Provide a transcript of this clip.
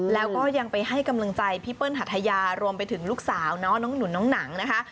แล้วก็ยังไปให้กำลังใจพี่เปิ้ลหัทยารวมไปถึงลูกสาวน้องหนุนน้องหนังนะคะ